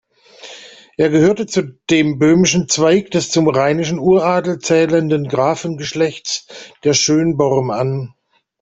Er gehörte dem böhmischen Zweig des zum rheinischen Uradel zählenden Grafengeschlechts der Schönborn an.